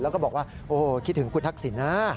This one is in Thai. แล้วก็บอกว่าโอ้โหคิดถึงคุณทักษิณนะ